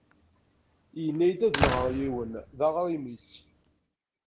Yenna-yi ad nɣeɣ yiwen! D aɣrim-is.